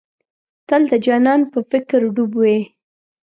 تل د جانان په فکر ډوب وې.